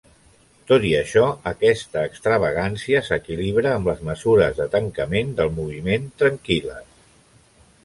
Tot i això, aquesta extravagància s'equilibra amb les mesures de tancament del moviment tranquil·les.